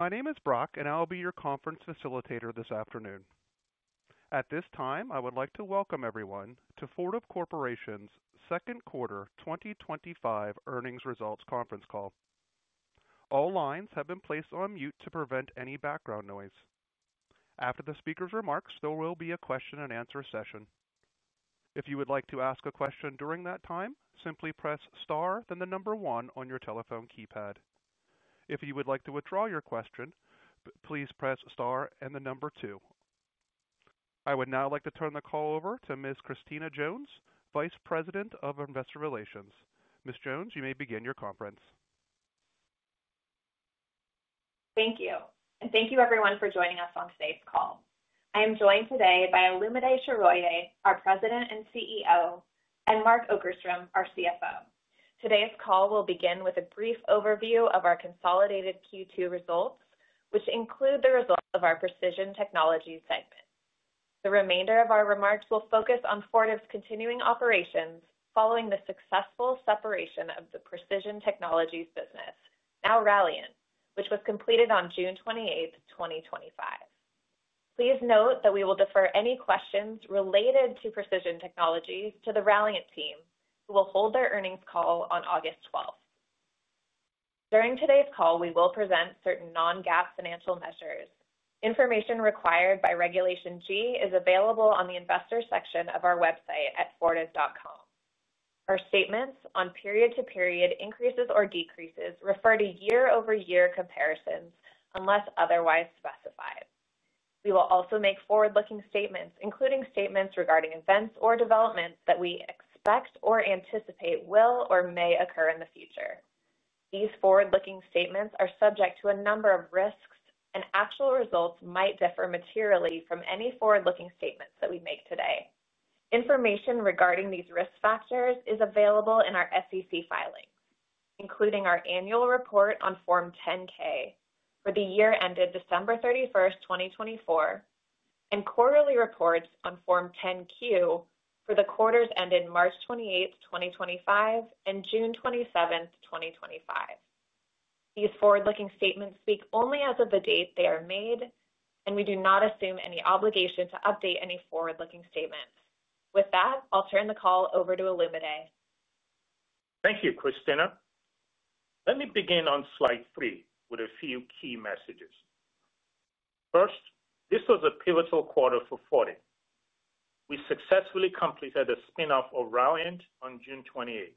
My name is Brock and I will be your conference facilitator this afternoon. At this time I would like to welcome everyone to Fortive Corporation's second quarter 2025 earnings results conference call. All lines have been placed on mute to prevent any background noise. After the speaker's remarks, there will be a question and answer session. If you would like to ask a question during that time, simply press Star then the number one on your telephone keypad. If you would like to withdraw your question, please press Star and the number two. I would now like to turn the call over to Ms. Christina Jones, Vice President of Investor Relations. Ms. Jones, you may begin your conference. Thank you and thank you everyone for joining us on today's call. I am joined today by Olumide Soroye, our President and CEO, and Mark Okerstrom, our CFO. Today's call will begin with a brief overview of our consolidated Q2 results which include the results of our Precision Technologies segment. The remainder of our remarks will focus on Fortive's continuing operations following the successful separation of the Precision Technologies business, now Ralliant, which was completed on June 28th, 2025. Please note that we will defer any questions related to Precision Technologies to the Ralliant team who will hold their earnings call on August 12th, 2025. During today's call we will present certain non-GAAP financial measures. Information required by Regulation G is available on the Investors section of our website at fortive.com. Our statements on period to period increases or decreases refer to year-over-year comparisons unless otherwise specified. We will also make forward-looking statements including statements regarding events or developments that we expect or anticipate will or may occur in the future. These forward-looking statements are subject to a number of risks and actual results might differ materially from any forward-looking statements that we make today. Information regarding these risk factors is available in our SEC filings including our Annual Report on Form 10-K for the year ended December 31st, 2024 and Quarterly Reports on Form 10-Q for the quarters ended March 28th, 2025 and June 27th, 2025. These forward-looking statements speak only as of the date they are made and we do not assume any obligation to update any forward-looking statements. With that, I'll turn the call over to Olumide. Thank you, Christina. Let me begin on slide 3 with a few key messages. First, this was a pivotal quarter for Fortive. We successfully completed a spin-off of Ralliant on June 28th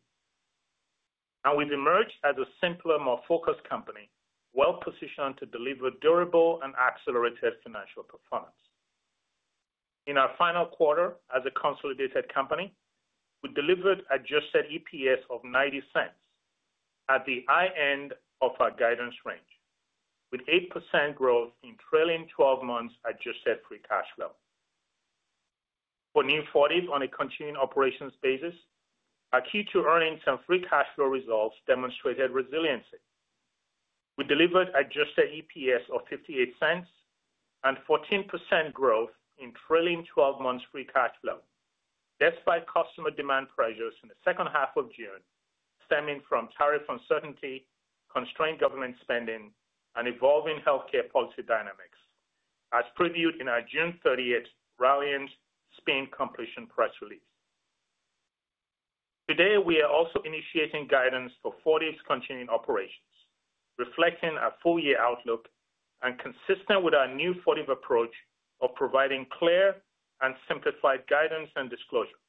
and we've emerged as a simpler, more focused company well positioned to deliver durable and accelerated financial performance. In our final quarter as a consolidated company, we delivered adjusted EPS of $0.90 at the high end of our guidance range with 8% growth in trailing twelve months adjusted free cash flow for new Fortive on a continuing operations basis. Our Q2 earnings and free cash flow results demonstrated resiliency. We delivered adjusted EPS of $0.58 and 14% growth in trailing twelve months free cash flow despite customer demand pressures in the second half of June stemming from tariff uncertainty, constrained government spending, and evolving healthcare policy dynamics as previewed in our June 30th Ralliant spin completion press release. Today, we are also initiating guidance for Fortive's continuing operations reflecting our full year outlook and consistent with our new Fortive approach of providing clear and simplified guidance and disclosure.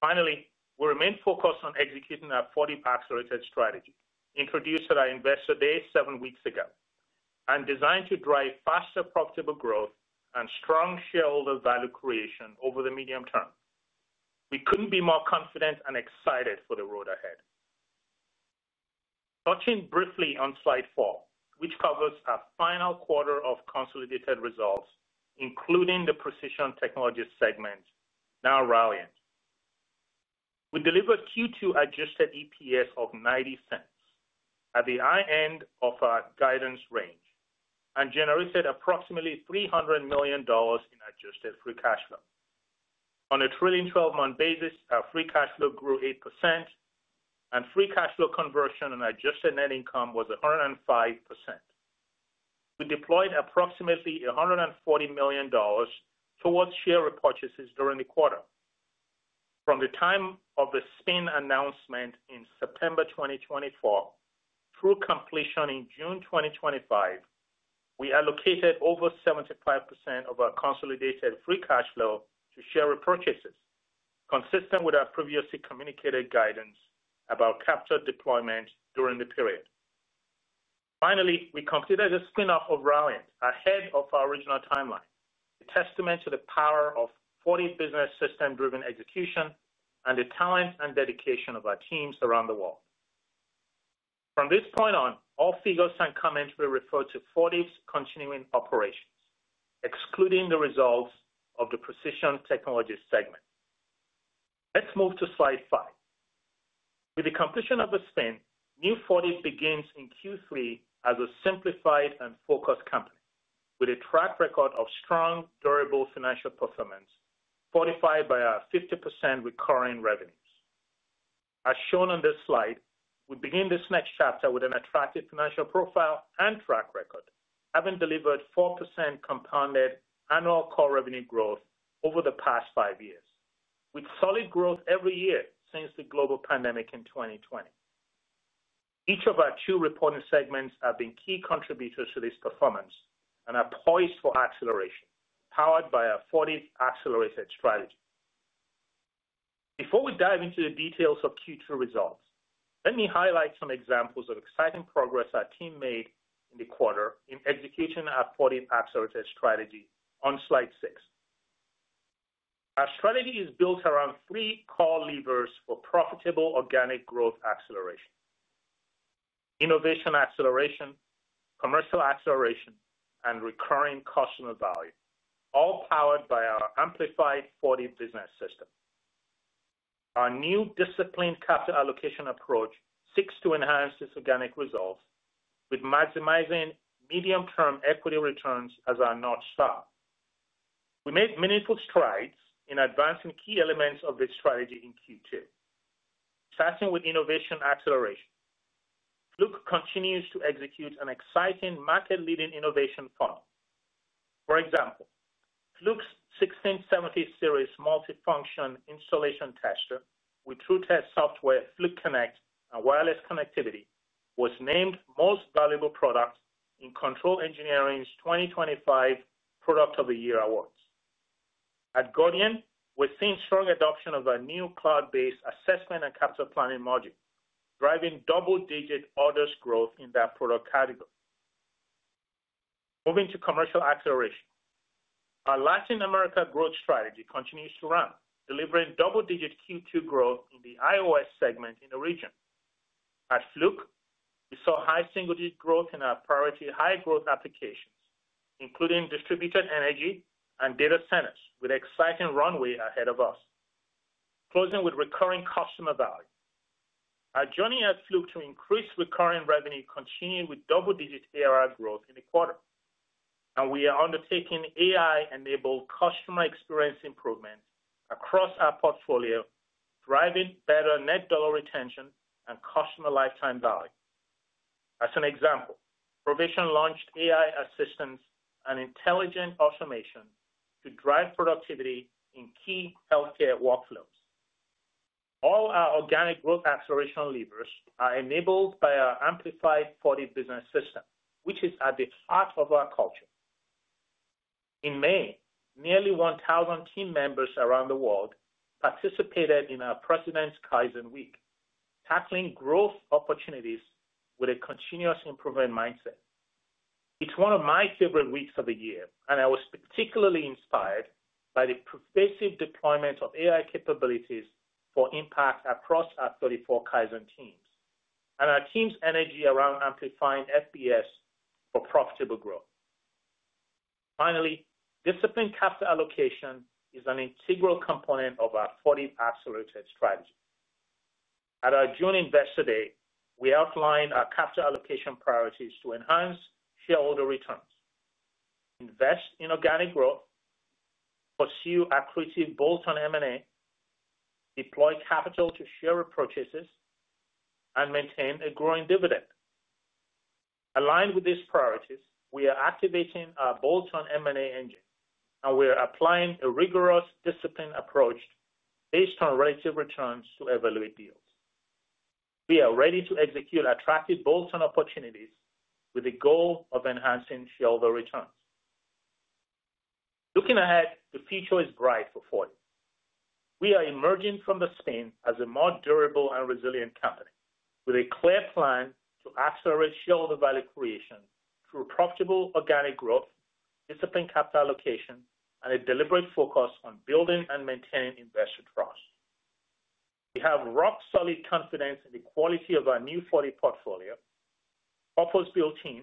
Finally, we remain focused on executing our Fortive PACS-related strategy introduced at our Investor Day seven weeks ago and designed to drive faster profitable growth and strong shareholder value creation over the medium term. We couldn't be more confident and excited for the road ahead. Touching briefly on slide 4, which covers our final quarter of consolidated results including the Precision Technology segment, now Ralliant, we delivered Q2 adjusted EPS of $0.90 at the high end of our guidance range and generated approximately $300 million in adjusted free cash flow on a trailing twelve month basis. Our free cash flow grew 8% and free cash flow conversion on adjusted net income was 105%. We deployed approximately $140 million towards share repurchases during the quarter. From the time of the spin announcement in September 2024 through completion in June 2025, we allocated over 75% of our consolidated free cash flow to share repurchases, consistent with our previously communicated guidance about capital deployment during the period. Finally, we completed a spin-off of Ralliant ahead of our original timeline, a testament to the power of Fortive Business System-driven execution and the talent and dedication of our teams around the world. From this point on, all figures and comments will refer to Fortive's continuing operations excluding the results of the Precision Technologies segment. Let's move to Slide 5 with the completion of the spin. MU40 begins in Q3 as a simplified and focused company with a track record of strong, durable financial performance fortified by our 50% recurring revenues as shown on this slide. We begin this next chapter with an attractive financial profile and track record, having delivered 4% compounded annual core revenue growth over the past five years with solid growth every year since the global pandemic in 2020. Each of our two reporting segments have been key contributors to this performance and are poised for acceleration powered by our Fortive Accelerated Strategy. Before we dive into the details of Q2 results, let me highlight some examples of exciting progress our team made in the quarter in executing our 14 Accelerated Strategy on Slide 6. Our strategy is built around three core levers for profitable organic growth acceleration, innovation acceleration, commercial acceleration and recurring customer value, all powered by our amplified Fortive Business System. Our new disciplined capital allocation approach seeks to enhance this organic result with maximizing medium term equity returns as our North Star. We made meaningful strides in advancing key elements of this strategy in Q2. Starting with innovation acceleration, Fluke continues to execute an exciting market leading innovation fund. For example, Fluke's 1670 Series multifunction installation tester with TrueTest software, Fluke Connect and wireless connectivity was named Most Valuable Product in Control Engineering's 2025 Product of the Year awards. At Gordian, we're seeing strong adoption of a new cloud-based assessment and capital planning module driving double-digit orders growth in that product category. Moving to commercial acceleration, our Latin America growth strategy continues to run, delivering double-digit Q2 growth in the IOS segment in the region. At Fluke we saw high single-digit growth in our priority high growth applications including distributed energy and data centers with exciting runway ahead of us closing with recurring customer value. Our journey at Fluke to increase recurring revenue continued with double-digit ARR growth in the quarter and we are undertaking AI-enabled customer experience improvements across our portfolio, driving better net dollar retention and customer lifetime value. As an example, Provision launched AI assistance and intelligent automation to drive productivity in key healthcare workflows. All our organic growth acceleration levers are enabled by our amplified Fortive Business System, which is at the heart of our culture. In May, nearly 1,000 team members around the world participated in our President's Kaizen Week, tackling growth opportunities with a continuous improvement mindset. It's one of my favorite weeks of the year and I was particularly inspired by the pervasive deployment of AI capabilities for impact across our 34 Kaizen teams and our team's energy around amplifying FBS for profitable growth. Finally, disciplined capital allocation is an integral component of our Fortive accelerated strategy. At our June Investor Day, we outlined our capital allocation priorities to enhance shareholder returns, invest in organic growth, pursue accretive bolt-on M&A, deploy capital to share repurchases, and maintain a growing dividend. Aligned with these priorities, we are activating our bolt-on M&A engine and we are applying a rigorous, disciplined approach based on relative returns to evaluate yields. We are ready to execute attractive bolt-on opportunities with the goal of enhancing shareholder returns. Looking ahead, the future is bright for Fortive. We are emerging from the spin-off as a more durable and resilient company with a clear plan to accelerate shareholder value creation through profitable organic growth, disciplined capital allocation, and a deliberate focus on building and maintaining investor trust. We have rock-solid confidence in the quality of our new Fortive portfolio, purpose-built in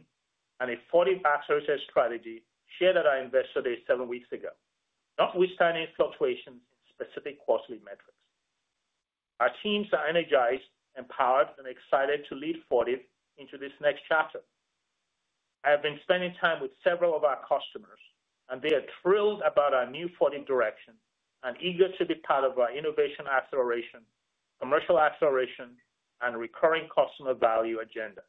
and a Fortive accuracy strategy shared at our Investor Day seven weeks ago. Notwithstanding fluctuations in specific quarterly metrics, our teams are energized, empowered, and excited to lead Fortive into this next chapter. I have been spending time with several of our customers and they are thrilled about our new Fortive direction and eager to be part of our innovation acceleration, commercial acceleration, and recurring customer value agenda.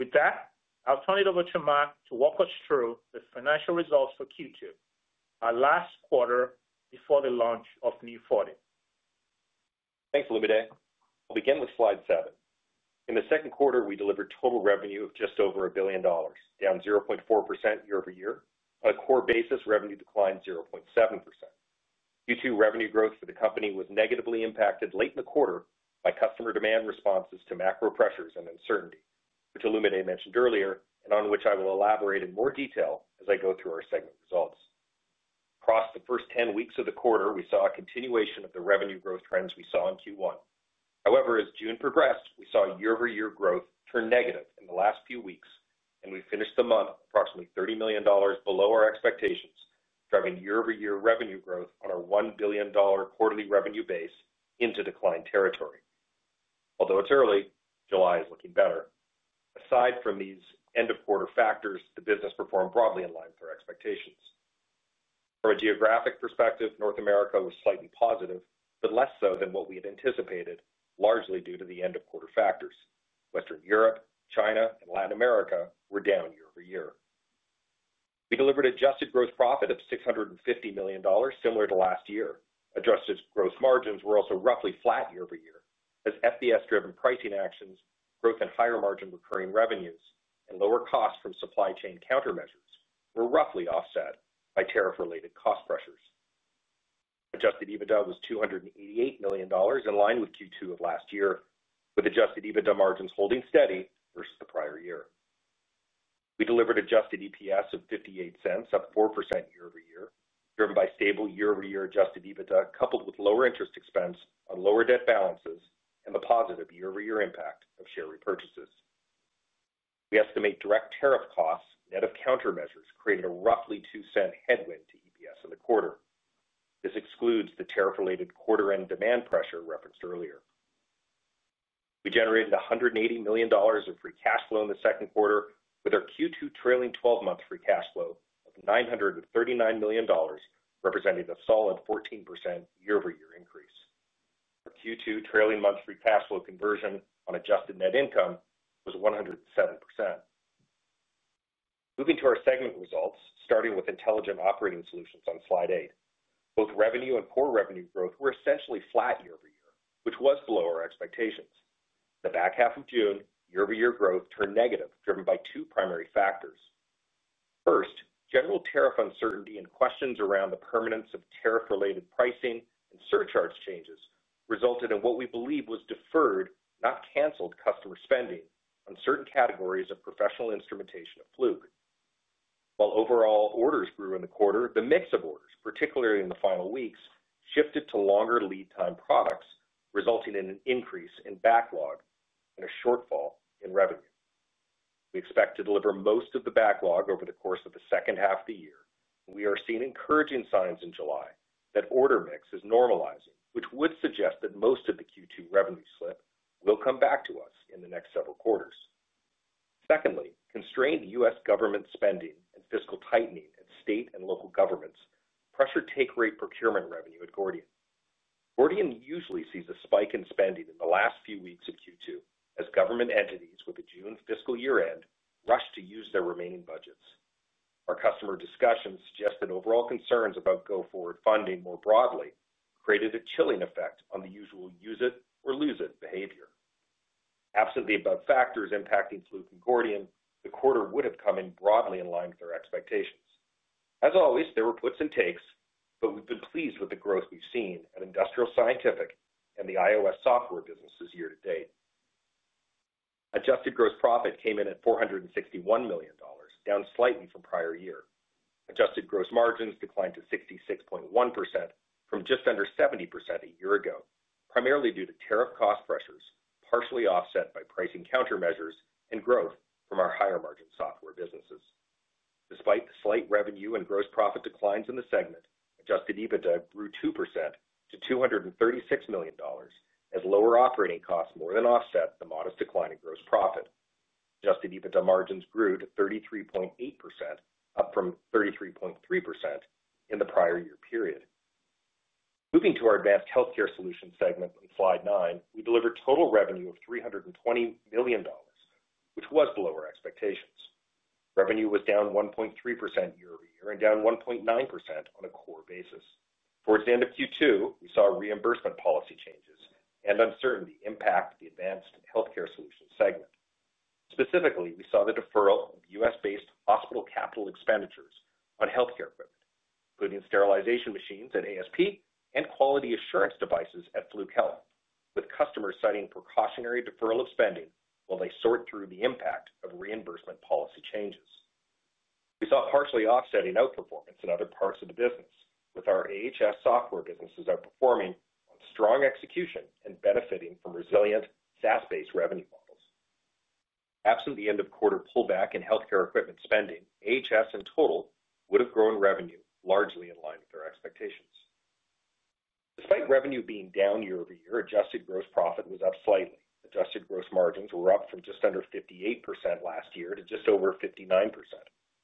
With that, I'll turn it over to Mark to walk us through the financial results for Q2, our last quarter before the launch of new Fortive. Thanks Olumide. I'll begin with slide 7. In the second quarter we delivered total revenue of just over $1 billion, down 0.4% year-over-year. On a core basis, revenue declined 0.7%. Q2 revenue growth for the company was negatively impacted late in the quarter by customer demand, responses to macro pressures and uncertainty, which Olumide mentioned earlier and on which I will elaborate in more detail as I go through our segment results. Across the first 10 weeks of the quarter we saw a continuation of the revenue growth trends we saw in Q1. However, as June progressed we saw year-over-year growth turn negative in the last few weeks and we finished the month approximately $30 million below our expectations, driving year-over-year revenue growth on our $1 billion quarterly revenue base into decline territory. Although it's early, July is looking better. Aside from these end of quarter factors, the business performed broadly in line with our expectations. From a geographic perspective, North America was slightly positive but less so than what we had anticipated largely due to the end of quarter factors. Western Europe, China and Latin America were down year-over-year. We delivered adjusted gross profit of $650 million, similar to last year. Adjusted gross margins were also roughly flat year-over-year as FBS driven pricing actions, growth in higher margin recurring revenues and lower cost from supply chain countermeasures were roughly offset by tariff related cost pressures. Adjusted EBITDA was $288 million in line with Q2 of last year with adjusted EBITDA margins holding steady versus the prior year. We delivered adjusted EPS of $0.58, up 4% year-over-year driven by stable year-over-year adjusted EBITDA coupled with lower interest expense on lower debt balances and the positive year-over-year impact of share repurchases. We estimate direct tariff costs net of countermeasures created a roughly $0.02 headwind to EPS in the quarter. This excludes the tariff related quarter end demand pressure referenced earlier. We generated $180 million of free cash flow in the second quarter with our Q2 trailing 12 month free cash flow of $939 million representing a solid 14% year-over-year increase. Our Q2 trailing 12 month free cash flow conversion on adjusted net income was 107%. Moving to our segment results, starting with Intelligent Operating Solutions on slide 8, both revenue and core revenue growth were essentially flat year over year, which was below our expectations. The back half of June year-over-year growth turned negative, driven by two primary factors. First, general tariff uncertainty and questions around the permanence of tariff-related pricing and surcharge changes resulted in what we believe was deferred, not canceled, customer spending on certain categories of professional instrumentation at Fluke. While overall orders grew in the quarter, the mix of orders, particularly in the final weeks, shifted to longer lead time products, resulting in an increase in backlog and a shortfall in revenue. We expect to deliver most of the backlog over the course of the second half of the year. We are seeing encouraging signs in July that order mix is normalizing, which would suggest that most of the Q2 revenue slip will come back to us in the next several quarters. Secondly, constrained U.S. government spending and fiscal tightening at state and local governments pressured take rate procurement revenue at Gordian. Gordian usually sees a spike in spending in the last few weeks of Q2 as government entities with the June fiscal year end rush to use their remaining budgets. Our customer discussions suggest that overall concerns about go-forward funding more broadly created a chilling effect on the usual use it or lose it behavior. Absent the above factors impacting Fluke and Gordian, the quarter would have come in broadly in line with our expectations. As always, there were puts and takes, but we've been pleased with the growth we've seen at Industrial Scientific and the iOS software businesses year-to-date. Adjusted gross profit came in at $461 million, down slightly from prior year. Adjusted gross margins declined to 66.1% from just under 70% a year ago, primarily due to tariff cost pressures partially offset by pricing countermeasures and growth from our higher margin software businesses. Despite the slight revenue and gross profit declines in the segment, adjusted EBITDA grew 2% to $236 million as lower operating costs more than offset the modest decline in gross profit. Adjusted EBITDA margins grew to 33.8%, up from 33.3% in the prior year period. Moving to our Advanced Healthcare Solutions segment on slide 9, we delivered total revenue of $320 million, which was below our expectations. Revenue was down 1.3% year-over-year and down 1.9% on a core basis. Towards the end of Q2 we saw reimbursement policy changes and uncertainty impact the Advanced Healthcare Solutions segment. Specifically, we saw the deferral of U.S.-based hospital capital expenditures on healthcare equipment including sterilization machines at ASP and quality assurance devices at Fluke Health with customers citing precautionary deferral of spending while they sort through the impact of reimbursement policy changes. We saw partially offsetting outperformance in other parts of the business with our AHS software businesses outperforming on strong execution and benefiting from resilient SaaS-based revenue models. Absent the end of quarter pullback in healthcare equipment spending, AHS in total would have grown revenue largely in line with our expectations. Despite revenue being down year-over-year, adjusted gross profit was up slightly. Adjusted gross margins were up from just under 58% last year to just over 59%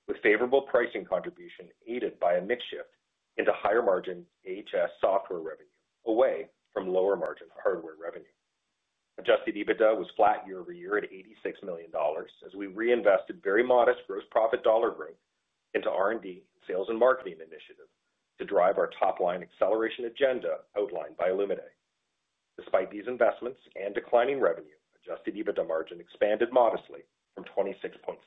with favorable pricing contribution aided by a mix shift into higher margin AHS software revenue away from lower margin hardware revenue. Adjusted EBITDA was flat year-over-year at $86 million as we reinvested very modest gross profit dollar growth into R&D, sales, and marketing initiative to drive our top line acceleration agenda outlined by Illuminay. Despite these investments and declining revenue, adjusted EBITDA margin expanded modestly from 26.6%-26.9%.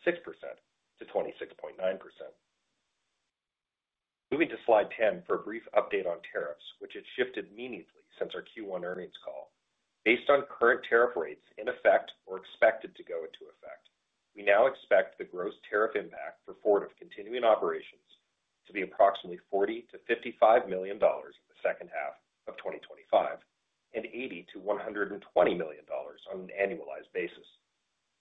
Moving to slide 10 for a brief update on tariffs which had shifted meaningfully since our Q1 earnings call. Based on current tariff rates in effect or expected to go into effect, we now expect the gross tariff impact for Fortive continuing operations to be approximately $40 million-$55 million in the second half of 2025 and $80 million-$120 million on an annualized basis.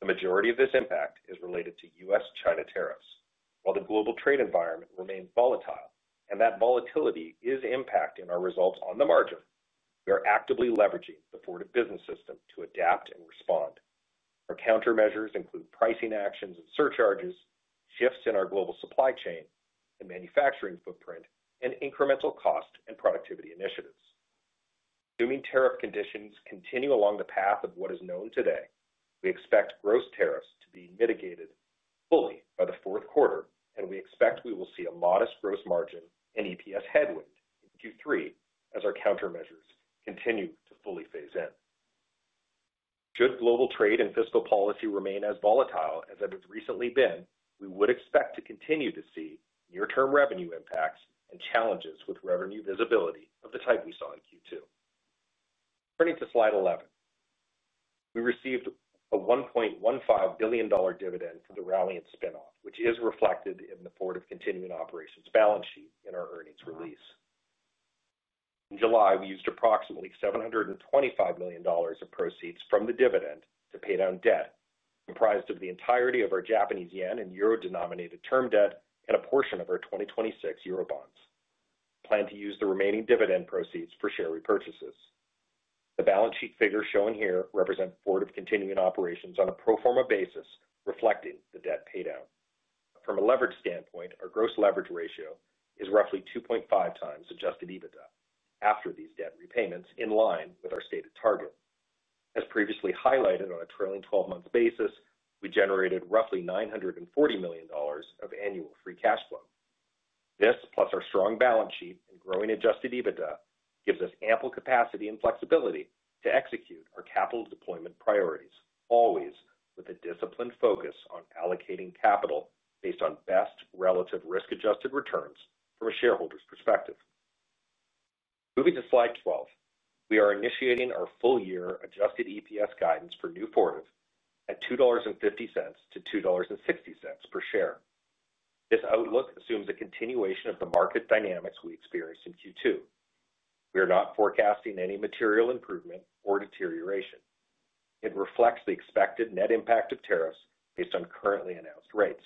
The majority of this impact is related to U.S.-China tariffs. While the global trade environment remains volatile and that volatility is impacting our results on the margin, we are actively leveraging the Fortive Business System to adapt and respond. Our countermeasures include pricing actions and surcharges, shifts in our global supply chain, the manufacturing footprint, and incremental cost and productivity initiatives. Assuming tariff conditions continue along the path of what is known today, we expect gross tariffs to be mitigated fully by the fourth quarter, and we expect we will see a modest gross margin and EPS headwind in Q3 as our countermeasures continue to fully phase in. Should global trade and fiscal policy remain as volatile as it has recently been, we would expect to continue to see near term revenue impacts and challenges with revenue visibility of the type we saw in Q2. Turning to slide 11, we received a $1.15 billion dividend for the Ralliant spin-off, which is reflected in the Fortive Continuing Operations balance sheet. In our earnings release in July, we used approximately $725 million of proceeds from the dividend to pay down debt comprised of the entirety of our Japanese yen and Euro denominated term debt and a portion of our 2026 Euro bonds. We plan to use the remaining dividend proceeds for share repurchases. The balance sheet figures shown here represent Fortive Continuing Operations on a pro forma basis reflecting the debt paydown. From a leverage standpoint, our gross leverage ratio is roughly 2.5x adjusted EBITDA after these debt repayments, in line with our stated target. As previously highlighted, on a trailing twelve month basis, we generated roughly $940 million of annual free cash flow. This, plus our strong balance sheet and growing adjusted EBITDA, gives us ample capacity and flexibility to execute our capital deployment priorities, always with a disciplined focus on allocating capital based on best relative risk adjusted returns from a shareholder's perspective. Moving to slide 12, we are initiating our full year adjusted EPS guidance for new Fortive at $2.50-$2.60 per share. This outlook assumes a continuation of the market dynamics we experienced in Q2. We are not forecasting any material improvement or deterioration. It reflects the expected net impact of tariffs based on currently announced rates.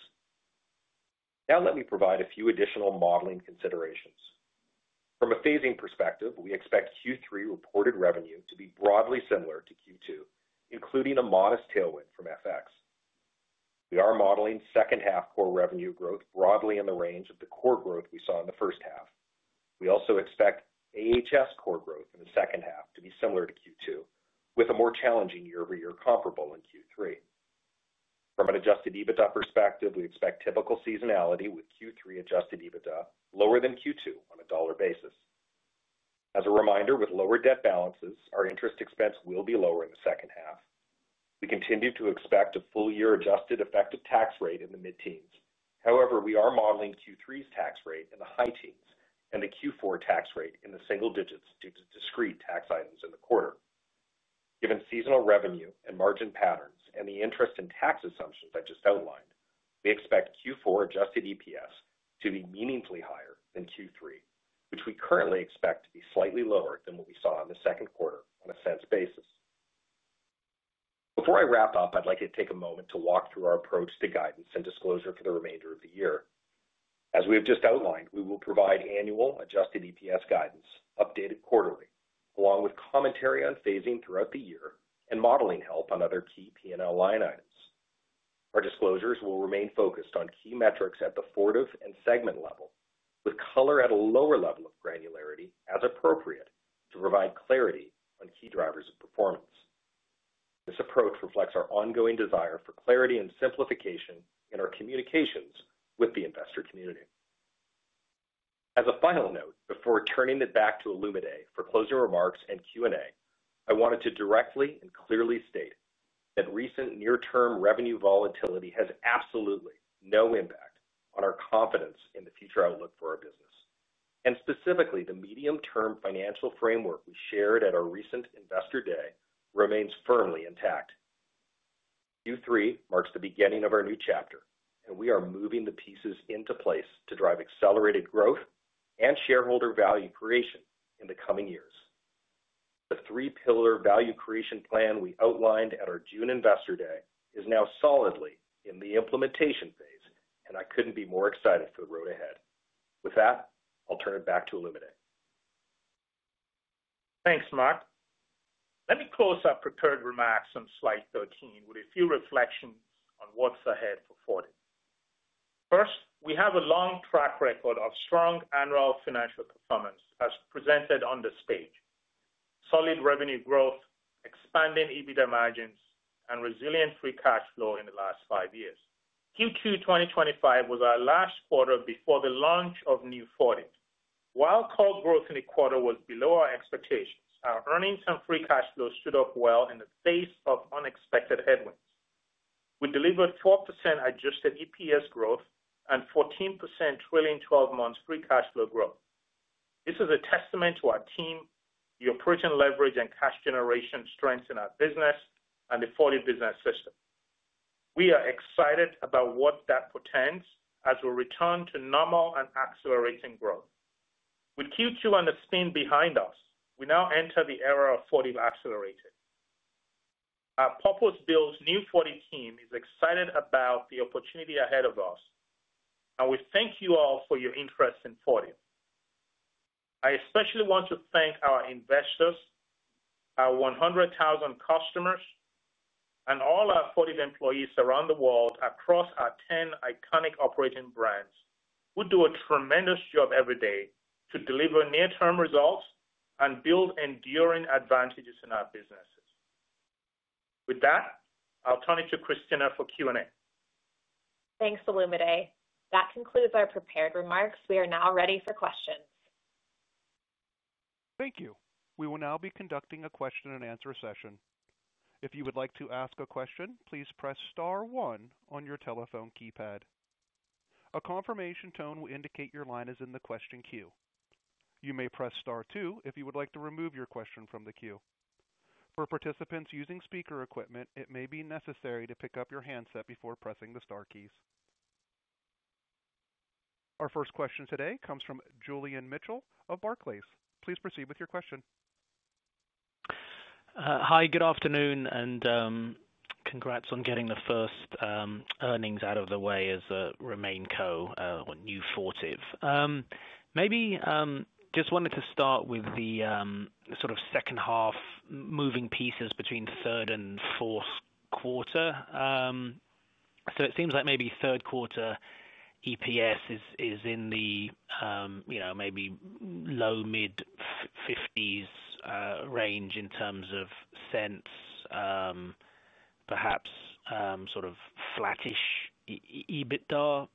Now let me provide a few additional modeling considerations from a phasing perspective. We expect Q3 reported revenue to be broadly similar to Q4, including a modest tailwind from FX. We are modeling second half core revenue growth broadly in the range of the core growth we saw in the first half. We also expect AHS core growth in the second half to be similar to Q2, with a more challenging year-over-year comparable in Q3. From an adjusted EBITDA perspective, we expect typical seasonality with Q3 adjusted EBITDA lower than Q2 on a dollar basis. As a reminder, with lower debt balances our interest expense will be lower in the second half. We continue to expect a full year adjusted effective tax rate in the mid teens; however, we are modeling Q3's tax rate in the high teens and the Q4 tax rate in the single digits due to discrete tax items in the quarter. Given seasonal revenue and margin patterns and the interest and tax assumptions I just outlined, we expect Q4 adjusted EPS to be meaningfully higher than Q3, which we currently expect to be slightly lower than what we saw in the second quarter on a sense basis. Before I wrap up, I'd like to take a moment to walk through our approach to guidance and disclosure for the remainder of the year. As we have just outlined, we will provide annual adjusted EPS guidance updated quarterly, along with commentary on phasing throughout the year and modeling help on other key P&L line items. Our disclosures will remain focused on key metrics at the Fortive and segment level, with color at a lower level of granularity as appropriate to provide clarity on key drivers of performance. This approach reflects our ongoing desire for clarity and simplification in our communications with the investor community. As a final note, before turning it back to Olumide for closing remarks and Q&A, I wanted to directly and clearly state that recent near term revenue volatility has absolutely no impact on our confidence in the future outlook for our business and specifically, the medium term financial framework we shared at our recent Investor Day remains firmly intact. Q3 marks the beginning of our new chapter and we are moving the pieces into place to drive accelerated growth and shareholder value creation in the coming years. The three pillar value creation plan we outlined at our June Investor Day is now solidly in the implementation phase and I couldn't be more excited for the road ahead. With that, I'll turn it back to Olumide. Thanks, Mark. Let me close our prepared remarks on slide 13 with a few reflections on what's ahead for Fortive. First, we have a long track record of strong annual financial performance as presented on this page, solid revenue growth, expanding EBITDA margins, and resilient free cash flow in the last five years. Q2 2025 was our last quarter before the launch of New Fortive. While core growth in the quarter was below our expectations, our earnings and free cash flow stood up well in the face of unexpected headwinds. We delivered 4% adjusted EPS growth and 14% trailing twelve months free cash flow growth. This is a testament to our team, the operating leverage and cash generation strengths in our business, and the Fortive Business System. We are excited about what that portends as we return to normal and accelerating growth. With Q2 and the spin behind us, we now enter the era of Fortive Accelerated. Our purpose-built New Fortive team is excited about the opportunity ahead of us, and we thank you all for your interest in Fortive. I especially want to thank our investors, our 100,000 customers, and all our Fortive employees around the world across our ten iconic operating brands who do a tremendous job every day to deliver near-term results and build enduring advantages in our businesses. With that, I'll turn it to Christina for Q&A. Thanks Olumide. That concludes our prepared remarks. We are now ready for questions. Thank you. We will now be conducting a question and answer session. If you would like to ask a question, please press Star one on your telephone keypad. A confirmation tone will indicate your line is in the question queue. You may press Star two if you would like to remove your question from the queue. For participants using speaker equipment, it may be necessary to pick up your handset before pressing the Star keys. Our first question today comes from Julian Mitchell of Barclays. Please proceed with your question. Hi, good afternoon and congrats on getting the first earnings out of the way as Romain Co or New Fortive. Maybe just wanted to start with the sort of second half moving pieces between third and fourth quarter. It seems like maybe third quarter EPS is in the maybe low mid-50s range in terms of cents, perhaps sort of flattish EBITDA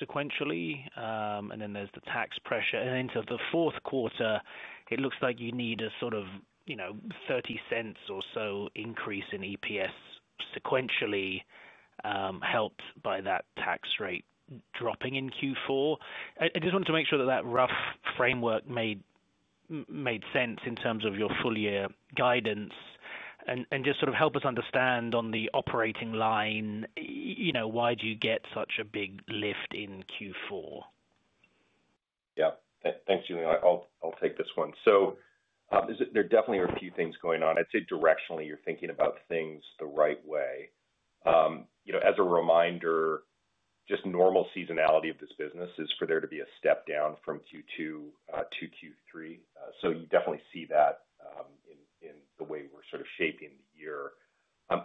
sequentially. There is the tax pressure and into the fourth quarter it looks like you need a sort of $0.30 or so increase in EPS sequentially helped by that tax rate dropping in Q4. I just wanted to make sure that that rough framework made sense in terms of your full year guidance and just sort of help us understand on the operating line why do you get such a big lift in Q4? Yeah, thanks Julian. I'll take this one. There definitely are a few things going on. I'd say directionally you're thinking about things the right way. You know, as a reminder, just normal seasonality of this business is for there to be a step down from Q2-Q3. You definitely see that in the way we're sort of shaping the year.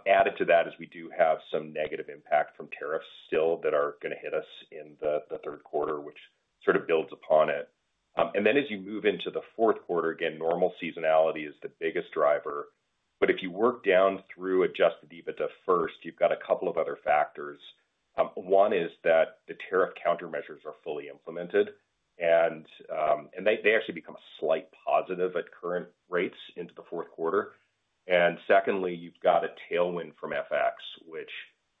Added to that is we do have some negative impact from tariffs still that are going to hit us in the third quarter, which sort of builds upon it. As you move into the fourth quarter again, normal seasonality is the biggest driver. If you work down through adjusted EBITDA first, you've got a couple of other factors. One is that the tariff countermeasures are fully implemented and they actually become a slight positive at current rates into the fourth quarter. Secondly, you've got a tailwind from effects which,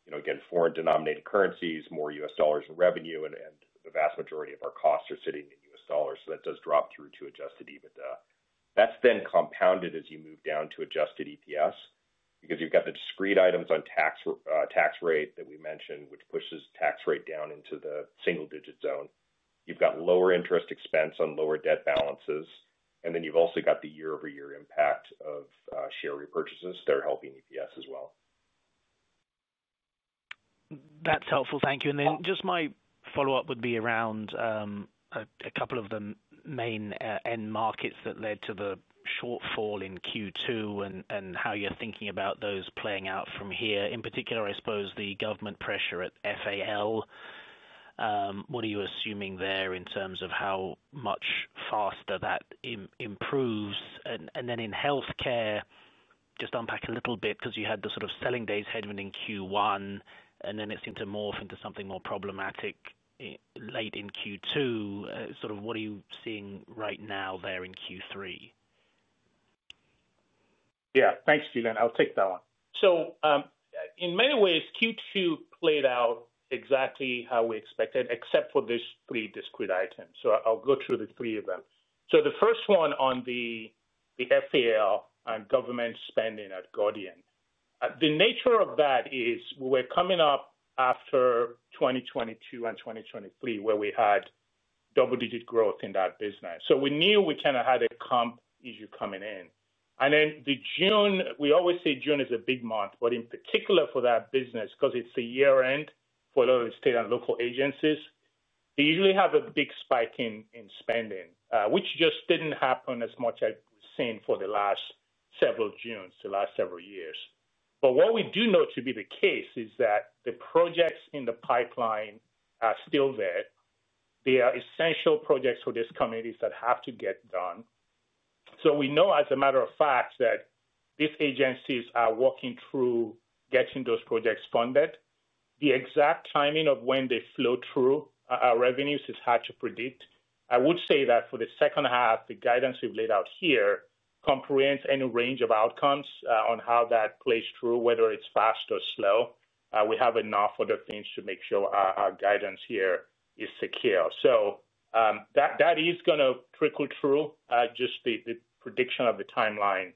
you know, again, foreign denominated currencies, more US dollars in revenue and the vast majority of our costs are sitting in US dollars. That does drop through to adjusted EBITDA. That's then compounded as you move down to adjusted EPS because you've got the discrete items on tax, tax rate that we mentioned, which pushes tax rate down into the single digit zone. You've got lower interest expense on lower debt balances and then you've also got the year-over-year impact of share repurchases that are helping EPS as well. That's helpful, thank you. Just my follow up would be around a couple of the main end markets that led to the shortfall in Q2 and how you're thinking about those playing out from here. In particular, I suppose the government pressure at FAL. What are you assuming there in terms of how much faster that improves? In health care, just unpack a little bit because you had the sort of selling days headwind in Q1 and then it seemed to morph into something more problematic late in Q2. What are you seeing right now there in Q3? Yeah, thanks Julian. I'll take that one. In many ways Q2 played out exactly how we expected, except for these three discrete items. I'll go through the three of them. The first one on the FAL, government spending at Gordian, the nature of that is we're coming up after 2022 and 2023 where we had double-digit growth in that business. We knew we kind of had a comp issue coming in. June, we always say June is a big month, but in particular for that business because it's the year end for state and local agencies, they usually have a big spike in spending which just did not happen as much as we've seen for the last several Junes, the last several years. What we do know to be the case is that the projects in the pipeline are still there. They are essential projects for these communities that have to get done. We know as a matter of fact that these agencies are working through getting those projects funded. The exact timing of when they flow through our revenues is hard to predict. I would say that for the second half, the guidance we've laid out here comprehends any range of outcomes on how that plays through, whether it's fast or slow. We have enough other things to make sure our guidance here is secure. That is going to trickle through. Just the prediction of the timeline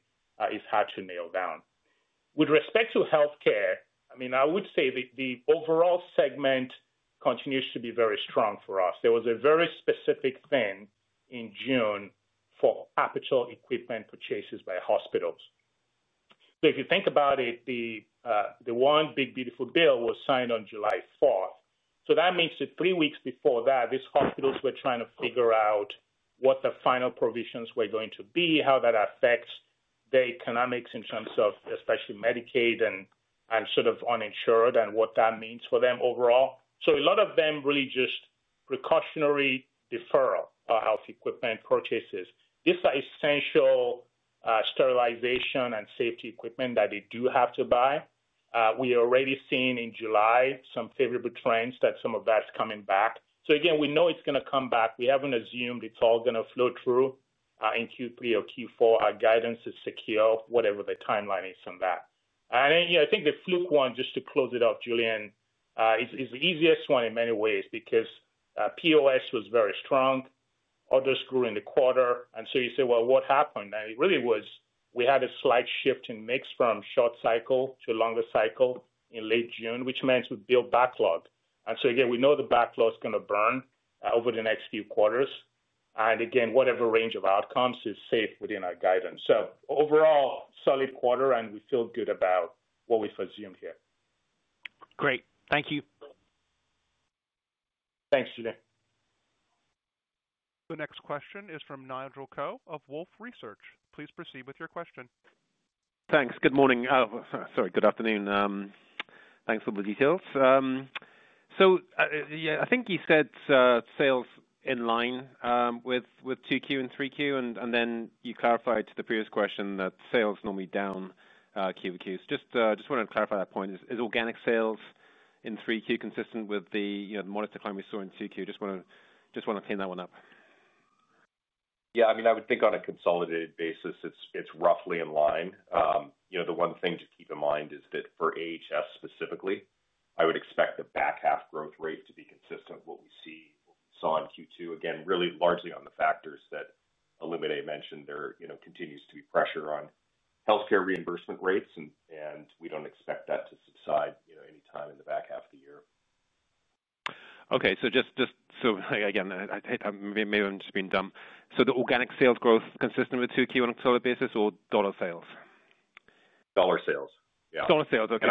is hard to nail down with respect to health care. I would say the overall segment continues to be very strong for us. There was a very specific thing in June for aperture equipment purchases by hospitals. If you think about it, the one big beautiful bill was signed on July 4. That means that three weeks before that these hospitals were trying to figure out what the final provisions were going to be, how that affects the economics in terms of especially Medicaid and sort of uninsured and what that means for them overall. A lot of them really just precautionary deferred health equipment purchases. This essential sterilization and safety equipment that they do have to buy. We've already seen in July some favorable trends that some of that's coming back. We know it's going to come back. We haven't assumed it's all going to flow through in Q3 or Q4. Our guidance is secure, whatever the timeline is on that. I think the Fluke one, just to close it off, Julian, is the easiest one in many ways because POS was very strong, others grew in the quarter. You say, what happened? It really was we had a slight shift in mix from short cycle to longer cycle in late June, which meant we built backlog. Again, we know the backlog is going to burn over the next few quarters and, again, whatever range of outcomes is safe within our guidance. Overall, solid quarter and we feel good about what we've assumed here. Great, thank you. Thanks Julie. The next question is from Nigel Coe of Wolfe Research. Please proceed with your question. Thanks. Good morning. Sorry. Good afternoon. Thanks for the details. I think you said sales in line with 2Q and 3Q and then you clarified to the previous question that sales normally down [Q4QS]. Just wanted to clarify that point. Is organic sales in 3Q consistent with the modest decline we saw in 2Q? Just want to clean that one up. Yeah, I mean I would think on a consolidated basis it's roughly in line. You know, the one thing to keep in mind is that for AHS specifically, I would expect the back half growth rate to be consistent with what we saw in Q2. Again, really largely on the factors that Olumide mentioned. There, you know, continues to be pressure on healthcare reimbursement rates and we don't expect that to subside, you know, anytime in the back half of the year. Okay, just. Again, maybe I'm just being dumb. The organic sales growth consistent with 2Q on a total basis or dollar sales. Dollar sales. Dollar sales. Okay.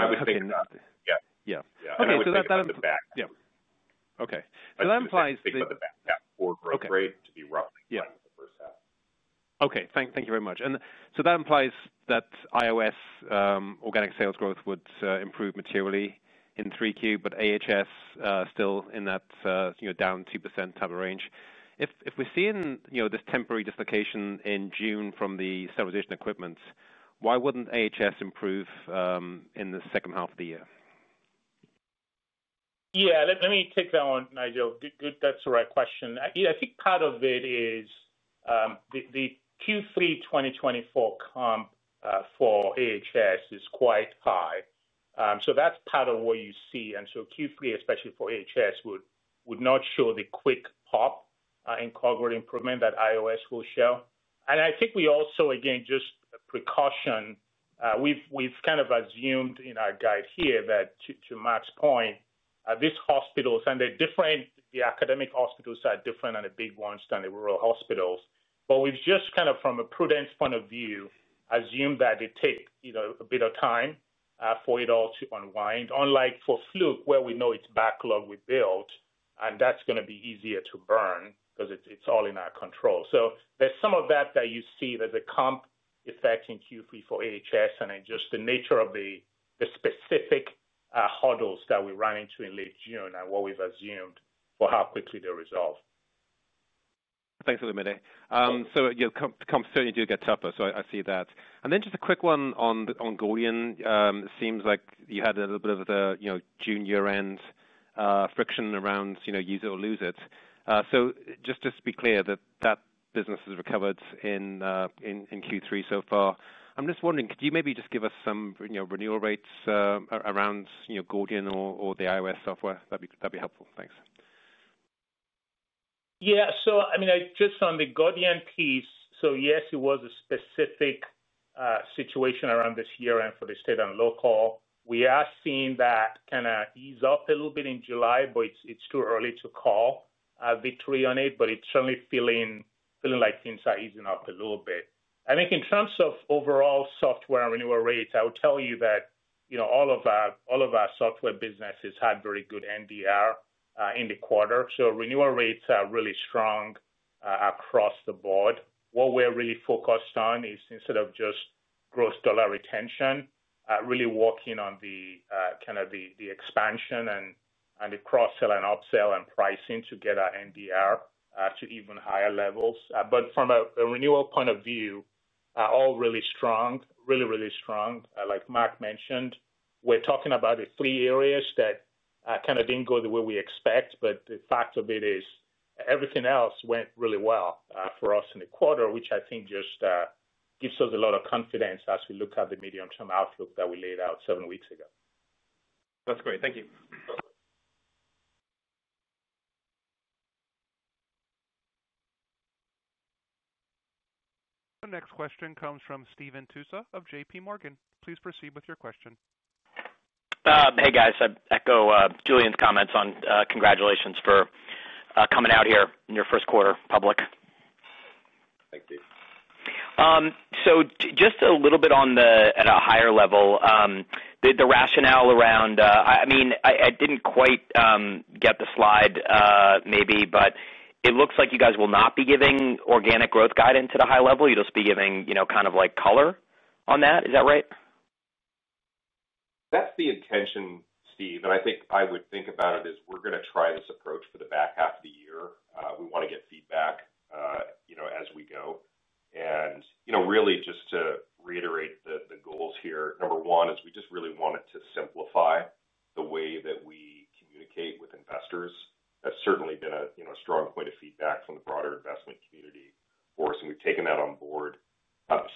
Yeah, yeah. Okay. That implies to be roughly first half. Okay, thank you very much. That implies that IOS organic sales growth would improve materially in 3Q, but AHS still in that down 2% type of range. If we're seeing this temporary dislocation in June from the standardization equipment, why wouldn't AHS improve in the second half of the year? Yeah, let me take that one, Nigel. That's the right question. I think part of it is the Q3 2024 comp for AHS is quite high. That's part of what you see. Q3, especially for AHS, would not show the quick pop in Cogworth improvement that iOS will show. I think we also, again, just precaution, we've kind of assumed in our guide here that to Mark's point, these hospitals, and they're different, the academic hospitals are different and the big ones than the rural hospitals. We've just kind of, from a prudence point of view, assumed that it takes a bit of time for it all to unwind, unlike for Fluke, where we know its backlog we built and that's going to be easier to burn because it's all in our control. There's some of that that you see, there's a comp effect in Q3 for AHS and just the nature of the specific huddles that we run into in late June and what we've assumed for how quickly they resolve. Thanks, Olumide. Comps certainly do get tougher. I see that. Just a quick one on the ongoing, it seems like you had a little bit of the junior end friction around use it or lose it. Just to be clear, that business has recovered in Q3 so far. I'm just wondering, could you maybe just give us some renewal rates around Gordian or the iOS software? That'd be helpful, thanks. Yeah. I mean, just on the Gordian piece, yes, it was a specific situation around this year and for the state and local, we are seeing that kind of ease up a little bit in July, but it is too early to call victory on it. It is certainly feeling like things are easing up a little bit. I think in terms of overall software renewal rates, I would tell you that, you know, all of our software businesses had very good NDR in the quarter. Renewal rates are really strong across the board. What we are really focused on is instead of just gross dollar retention, really working on the expansion and the cross sell and upsell and pricing to get our NDR to even higher levels. From a renewal point of view, all really strong. Really, really strong. Like Mark mentioned, we are talking about the three areas that did not go the way we expect. The fact of it is everything else went really well for us in the quarter, which I think just gives us a lot of confidence as we look at the medium term outlook that we laid out seven weeks ago. That's great. Thank you. The next question comes from Stephen Tousa of JP Morgan. Please proceed with your question. Hey guys, I echo Julian's comments on congratulations for coming out here. Your first quarter, public. Thank you. Just a little bit on the, at a higher level, the rationale around, I mean I didn't quite get the slide maybe, but it looks like you guys will not be giving organic growth. Guidance at a high level. You'll just be giving kind of like color on that. Is that right? That's the intention, Steve. I think I would think about it as we're going to try this approach for the back half of the year. We want to get feedback, you know, as we go and, you know, really just to reiterate the goals here, number one is we just really wanted to simplify the way that we communicate with investors. That's certainly been a, you know, strong point of feedback from the broader investment community for us and we've taken that on board.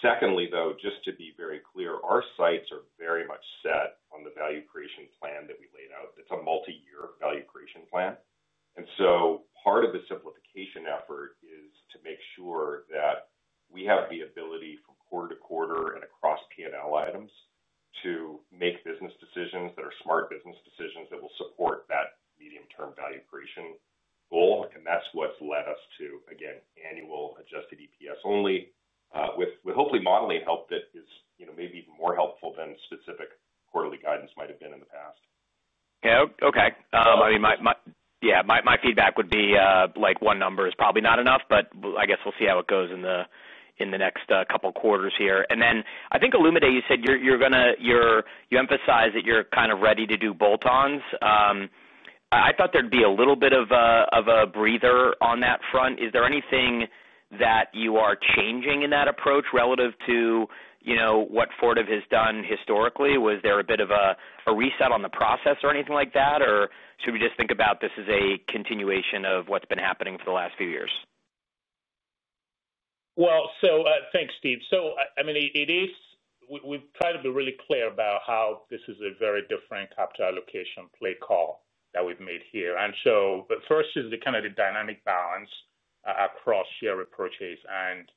Secondly though, just to be very clear, our sights are very much set on the value creation plan that we laid out. That's a multi year value creation plan. Part of the simplification effort is to make sure that we have the ability from quarter-to-quarter and across PL items to make business decisions that are smart business decisions that will support that medium term value creation goal. That's what's led us to again annual adjusted EPS only with hopefully modeling help that is maybe even more helpful than specific quarterly guidance might have been in the past. Okay. My feedback would be like one number. Is probably not enough, but I guess. We'll see how it goes in the next couple quarters here. I think Illumina, you said you're going to. You emphasize that you're kind of ready. To do bolt-ons. I thought there'd be a little bit of a breather on that front. Is there anything that you are changing in that approach relative to what Fortive has done historically? Was there a bit of a reset on the process or anything like that? Should we just think about this as a continuation of what's been happening? For the last few years? Thanks, Steve. I mean, it is. We've tried to be really clear about how this is a very different capital allocation play call that we've made here. First is the kind of the dynamic balance across share repurchase and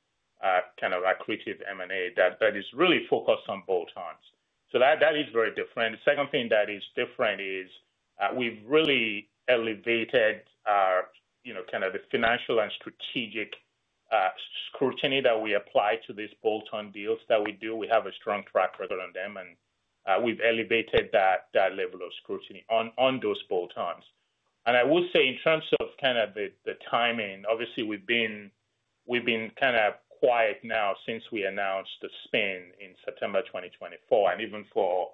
kind of accretive M&A that is really focused on bolt-ons. That is very different. The second thing that is different is we've really elevated, you know, kind of the financial and strategic scrutiny that we apply to these bolt-on deals that we do. We have a strong track record on them and we've elevated that level of scrutiny on those bolt-ons. I would say in terms of kind of the timing, obviously we've been kind of quiet now since we announced the spin in September 2024 and even for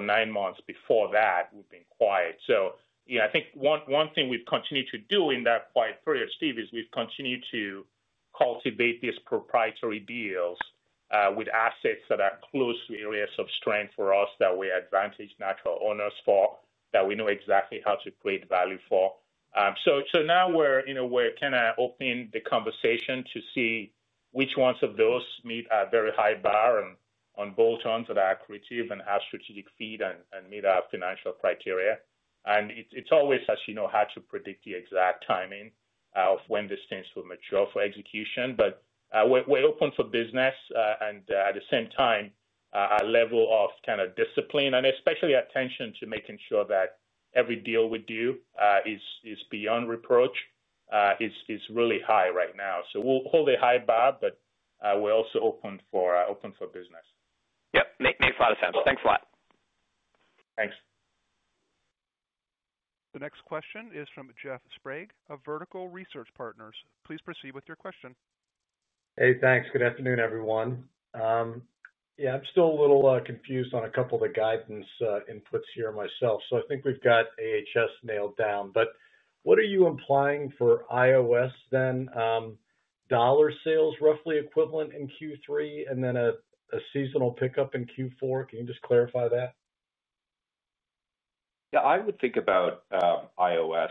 nine months before that, we've been quiet. I think one thing we've continued to do in that quiet period, Steve, is we've continued to cultivate these proprietary deals with assets that are close to areas of strength for us that we advantage natural owners for, that we know exactly how to create value for. Now we're, you know, we're kind of opening the conversation to see which ones of those meet a very high bar on bolt-ons that are accretive and have strategic fit and meet our financial criteria. It's always, as you know, hard to predict the exact timing of when these things will mature for execution. We're open for business and at the same time a level of kind of discipline and especially attention to making sure that every deal we do is beyond reproach is really high right now. We'll hold a high bar, but we're also open for business. Yep, makes a lot of sense. Thanks a lot. Thanks. The next question is from Jeff Sprague of Vertical Research Partners. Please proceed with your question. Hey, thanks. Good afternoon, everyone. Yeah, I'm still a little confused on a couple of the guidance inputs here myself. I think we've got AHS nailed down. What are you implying for iOS then? Dollar sales roughly equivalent in Q3. A seasonal pickup in Q4. Can you just clarify that? Yeah, I would think about IOS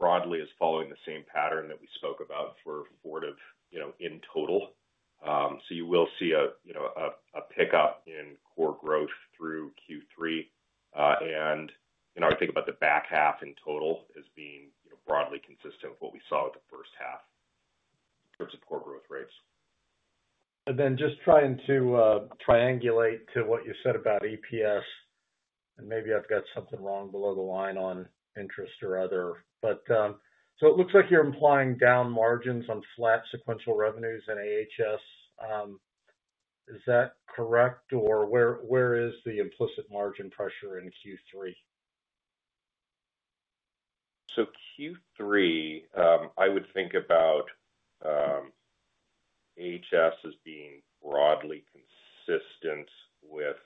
broadly as following the same pattern that we spoke about before where Fortive, you know, in total. So you will see a, you know, a pickup in core growth through Q3 and you know, I think about the back half in total as being, you know, broadly consistent with what we saw with the first half in terms of core growth rates. Just trying to triangulate to what you said about EPS and maybe I've got something wrong below the line. On interest or other. It looks like you're implying down margins on flat sequential revenues in AHS, is that correct? Or where is the implicit margin pressure in Q3? Q3, I would think about AHS as being broadly consistent with.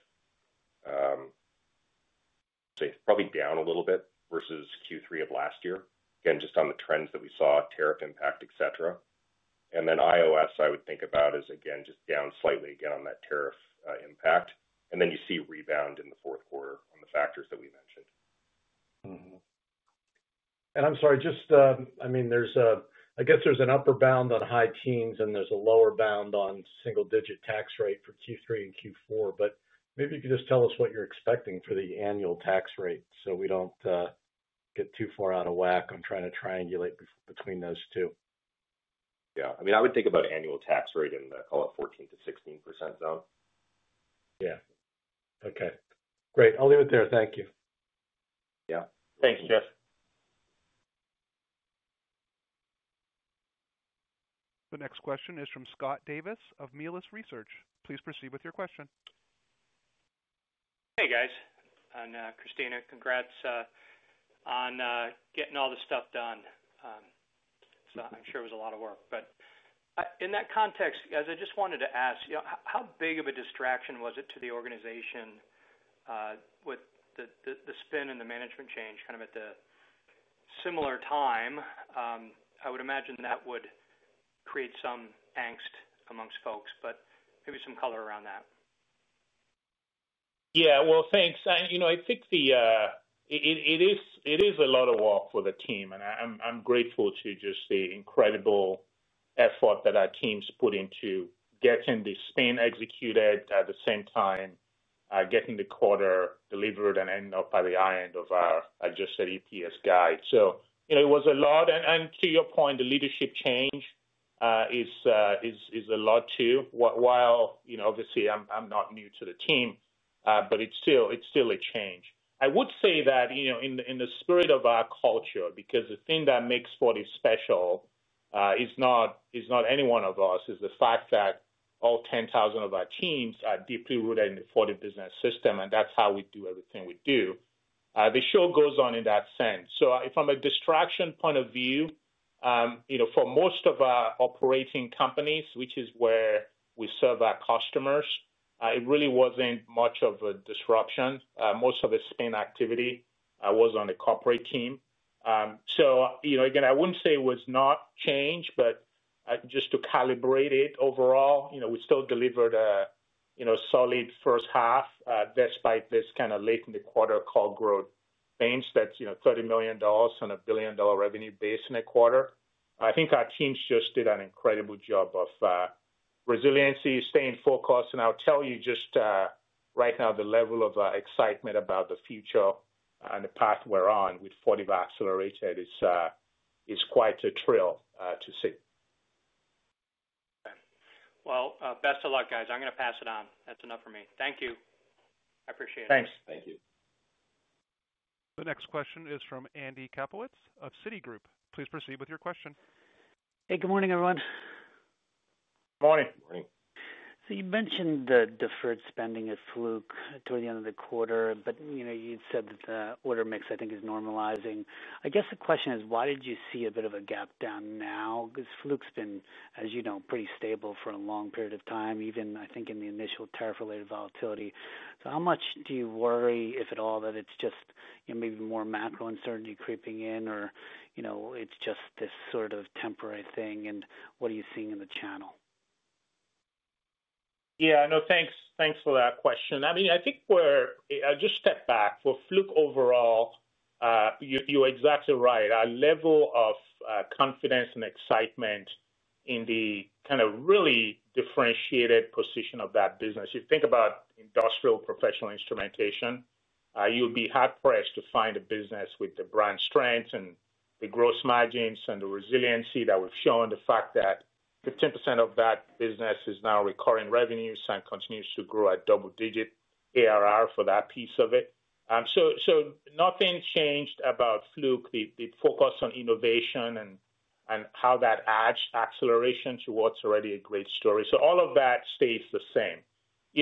Probably down. A little bit versus Q3 of last year again just on the trends that we saw, tariff impact, et cetera. iOS, I would think about as again just down slightly again on that tariff impact. You see rebound in the fourth quarter on the factors that we mentioned. I'm sorry, just, I mean there's a, I guess there's an upper bound on high teens and there's a lower bound on single digit tax rate for. Teens, Q3 and Q4, but maybe you could just tell us what you're expecting for the annual tax rate so we. Don't get too far out of whack. On trying to triangulate between those two. Yeah, I mean, I would think about annual tax rate in the, call it 14%-16% zone. Yeah. Okay, great. I'll leave it there. Thank you. Yeah, thanks, Jeff. The next question is from Scott Davis of Melius Research. Please proceed with your question. Hey guys and Christina, congrats on getting all this stuff done. I'm sure it was a lot of. Work, but in that context, I just wanted to ask, how big of a distraction was it to the organization with the spin and the management change kind of at the similar time? I would imagine that would create some angst amongst folks, but maybe some color around that. Yeah, thanks. You know, I think it is a lot of work for the team and I'm grateful to just the incredible effort that our teams put into getting the spin executed at the same time getting the quarter delivered and ending up by the high end of our adjusted EPS guide. You know, it was a lot. To your point, the leadership change is a lot too. While, you know, obviously I'm not new to the team, but it's still a change. I would say that, you know, in the spirit of our culture, because the thing that makes Fortive special is not any one of us, it is the fact that all 10,000 of our teams are deeply rooted in the Fortive Business System. That's how we do everything we do. The show goes on in that sense. From a distraction point of view for most of our operating companies, which is where we serve our customers, it really wasn't much of a disruption. Most of the spin activity was on the corporate team. Again, I wouldn't say it was not change, but just to calibrate it, overall we still delivered solid first half despite this kind of late in the quarter call growth means that $30 million and a billion dollar revenue base in a quarter. I think our teams just did an incredible job of resiliency, staying focused. I'll tell you just right now the level of excitement about the future and the path we're on with Fortive Accelerated is quite a thrill to see. Best of luck guys. I'm going to pass it on. That's enough for me. Thank you. I appreciate it. Thanks. Thank you. The next question is from Andy Kaplowitz of Citigroup. Please proceed with your question. Hey, good morning everyone. Morning. You mentioned the deferred spending at Fluke toward the end of the quarter, but you said that the order mix I think is normalizing. I guess the question is why did you see a bit of a gap there down now? Because Fluke's been, as you know, pretty stable for a long period of time even, I think, in the initial tariff related volatility. How much do you worry, if at all, that it's just maybe more macro uncertainty creeping in or, you know, it's just this sort of temporary thing and what are you seeing in the channel? Yeah, no, thanks. Thanks for that question. I mean, I think we just step back for Fluke overall. You're exactly right. Our level of confidence and excitement in the kind of really differentiated position of that business. You think about industrial professional instrumentation, you'll be hard pressed to find a business with the brand strength and the gross margins and the resiliency that we've shown. The fact that 15% of that business is now recurring revenue, same continues to grow at double-digit ARR for that piece of it. Nothing changed about Fluke, the focus on innovation and how that adds acceleration to what's already a great story. All of that stays the same.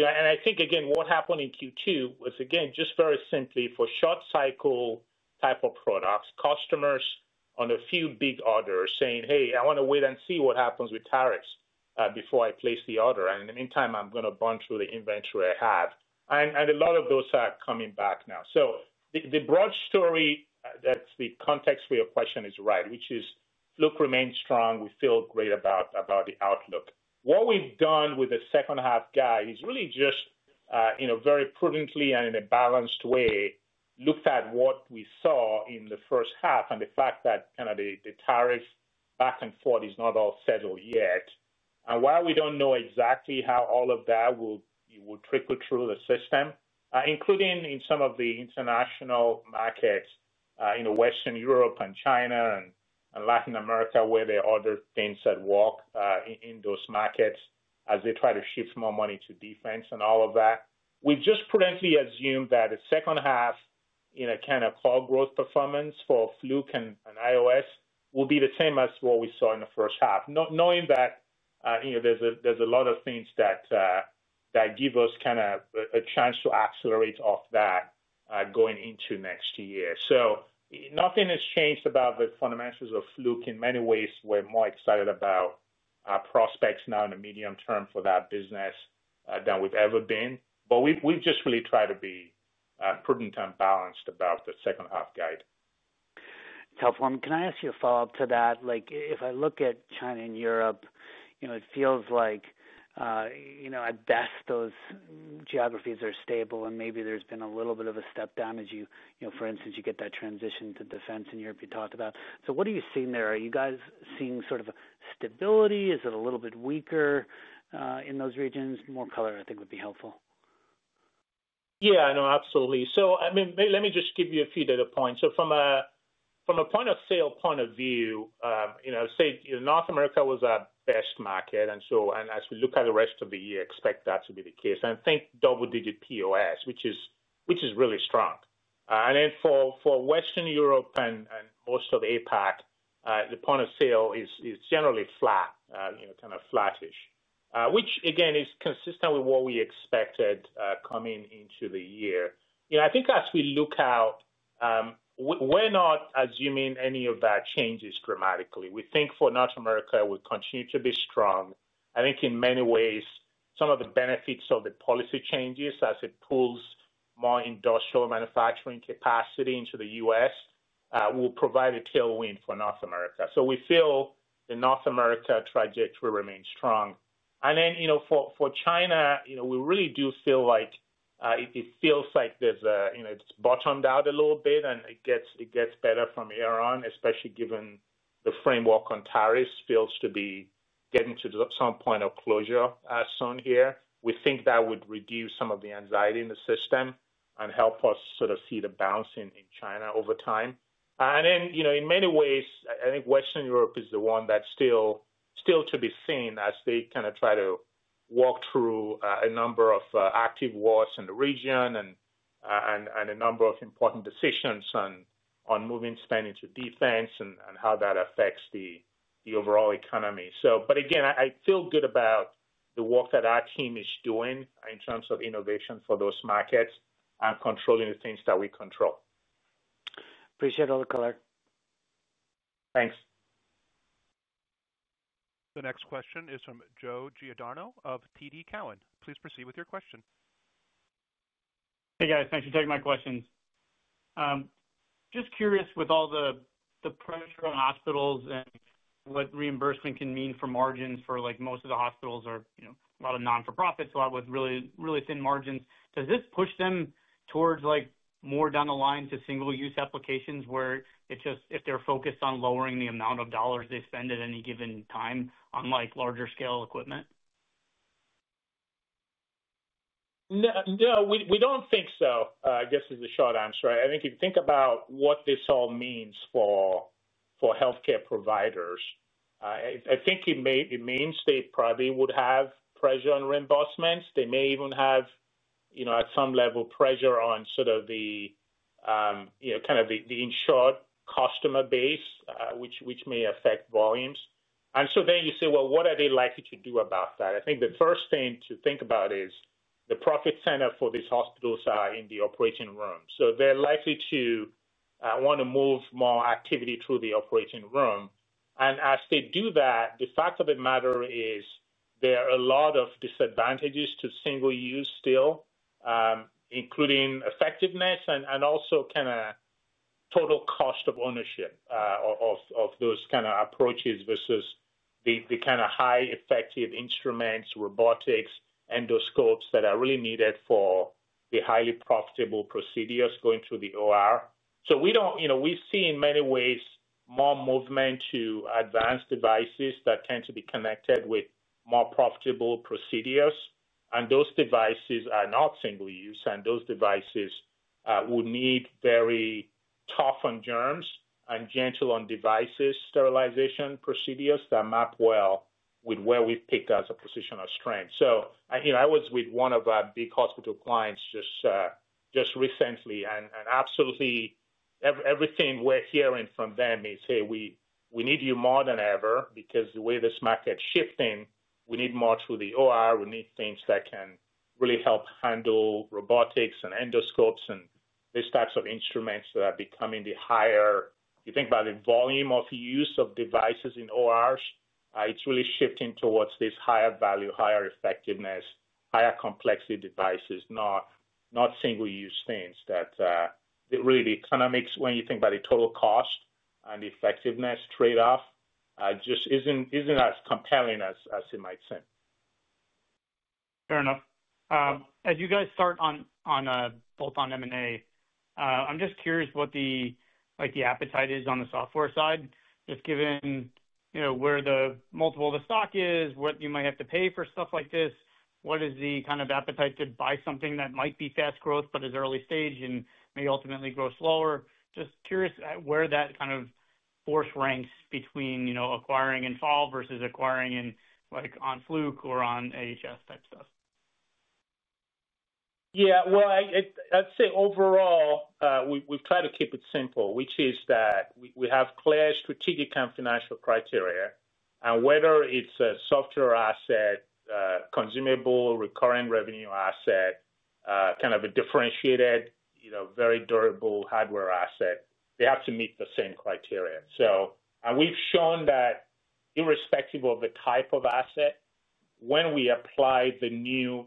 I think again what happened in Q2 was again just very simply for short cycle type of products, customers on a few big orders saying hey, I want to wait and see what happens with tariffs before I place the order. In the meantime, I'm going to burn through the inventory I have and a lot of those are coming back now. The broad story that's the context for your question is right, which is Fluke remains strong. We feel great about the outlook. What we've done with the second half guide is really just very prudently and in a balanced way looked at what we saw in the first half and the fact that the tariffs back and forth is not all settled yet. While we don't know exactly how all of that will trickle through the system, including in some of the international markets in Western Europe and China and Latin America, where there are other things at work in those markets as they try to shift more money to defense and all of that, we just prudently assumed that the second half core growth performance for Fluke and iOS will be the same as what we saw in the first half. Knowing that there's a lot of things that give us a chance to accelerate off that going into next year. Nothing has changed about the fundamentals of Fluke. In many ways, we're more excited about our prospects now in the medium term for that business than we've ever been. We just really try to be prudent and balanced about the second half guide, to inform. Can I ask you a follow up to that? Like, if I look at China and Europe, it feels like at best those geographies are stable and maybe there's been a little bit of a step down as, you know, for instance, you get that transition to defense in Europe you talked about. What are you seeing there? Are you guys seeing sort of stability? Is it a little bit weaker in those regions? More color, I think would be helpful. Yeah, no, absolutely. So I mean, let me just give you a few data points. So from a point of sale point of view, you know, say North America was our best market. As we look at the rest of the year, expect that to be the case and think double digit POS, which is really strong. For Western Europe and most of APAC, the point of sale is generally flat or flattish, which again is consistent with what we expected coming into the year. You know, I think as we look out, we're not assuming any of that changes dramatically. We think for North America, we continue to be strong. I think in many ways some of the benefits of the policy changes as it pulls more industrial manufacturing capacity into the U.S. will provide a tailwind for North America. We feel the North America trajectory remains strong. For China, you know, we really do feel like, it feels like there's, you know, it's bottomed out a little bit and it gets better from here on, especially given the framework on tariffs feels to be getting to some point of closure soon here. We think that would reduce some of the anxiety in the system and help us sort of see the bounce in China over time. In many ways I think Western Europe is the one that's still to be seen as they kind of try to walk through a number of active wars in the region and a number of important decisions on moving spending to defense and how that affects the overall economy. Again, I feel good about the work that our team is doing in terms of innovation for those markets and controlling the things that we control. Appreciate all the color. Thanks. The next question is from Joe Giordano of TD Cowen. Please proceed with your question. Hey guys, thanks for taking my questions. Just curious, with all the pressure on hospitals and what reimbursement can mean for margins for like most of the hospitals are, you know, a lot of non for profits, a lot with really, really thin margins. Does this push them towards like more down the line to single use applications where it just if they're focused on lowering the amount of dollars they spend at any given time on like larger scale equipment? No, we do not think so I guess is the short answer. I think if you think about what this all means for health care providers, I think it means they probably would have pressure on reimbursements. They may even have, you know, at some level pressure on sort of the, you know, kind of the insured customer base, which may affect volumes. And you say, well, what are they likely to do about that? I think the first thing to think about is the profit center for these hospitals are in the operating room. They are likely to want to move more activity through the operating room. As they do that, the fact of the matter is there are a lot of disadvantages to single use steel, including effectiveness and also kind of total cost of ownership of those kind of approaches versus the kind of high effective instruments, robotics, endoscopes that are really needed for the highly profitable procedures going through the OR. We do not, you know, we see in many ways more movement to advanced devices that tend to be connected with more profitable procedures. Those devices are not single use. Those devices would need very tough on germs and gentle on devices, sterilization procedures that map well with where we picked as a position of strength. I was with one of our big hospital clients just recently and absolutely everything we are hearing from them is hey, we need you more than ever. Because the way this market is shifting, we need more through the OR. We need things that can really help handle robotics and endoscopes and these types of instruments that are becoming. The higher you think about the volume of use of devices in ORs, it is really shifting towards this higher value, higher effectiveness, higher complexity devices. Not single use. Things that really kind of makes. When you think about the total cost and effectiveness trade off just is not as compelling as it might seem. Fair enough. As you guys start on bolt-on M&A, I am just curious what the like the appetite is on the software side. Just given, you know, where the multiple of the stock is, what you might have to pay for stuff like this. What is the kind of appetite to buy something that might be fast growth but is early stage and may ultimately grow slower? Just curious where that kind of force ranks between, you know, acquiring in fall versus acquiring in like on Fluke or on AHS type stuff. Yeah, I'd say overall we've tried to keep it simple, which is that we have clear strategic and financial criteria and whether it's a software asset, consumable, recurring revenue asset, kind of a differentiated, you know, very durable hardware asset, they have to meet the same criteria. We've shown that irrespective of the type of asset, when we apply the new